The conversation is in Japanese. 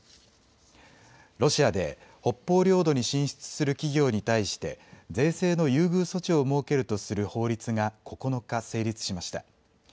ロシアで北方領土に進出する企業に対して税制の優遇措置を設けるとする法律が９日、成立しました。